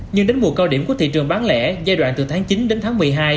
nhưng đến mùa cao điểm của thị trường bán lẻ giai đoạn từ tháng chín đến tháng một mươi hai